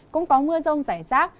cũng có mưa rông giải rác